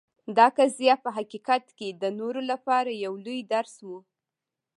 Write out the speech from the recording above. دا قضیه په حقیقت کې د نورو لپاره یو لوی درس و.